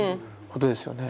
ことですよね。